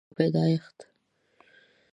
د اساسي قانون پېژندنه او پیدایښت